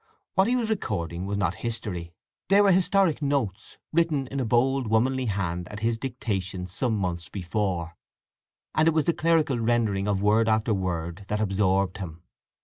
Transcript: What he was regarding was not history. They were historic notes, written in a bold womanly hand at his dictation some months before, and it was the clerical rendering of word after word that absorbed him.